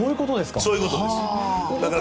そういうことですか。